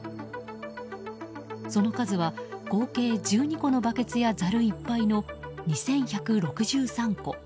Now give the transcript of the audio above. その数は合計１２個のバケツやざるいっぱいの２１６３個。